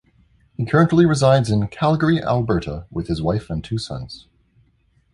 He currently resides in Calgary, Alberta, with his wife and two sons.